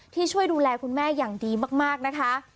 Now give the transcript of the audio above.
ช่วยดูแลคุณแม่อย่างดีมากนะคะ